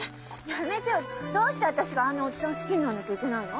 やめてよ。どうして私があんなおじさん好きにならなきゃいけないの？